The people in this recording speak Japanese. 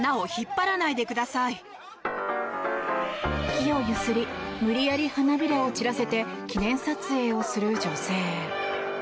木を揺すり無理やり花びらを散らせて記念撮影をする女性。